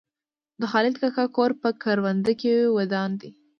د خالد کاکا کور په کرونده کې ودان دی.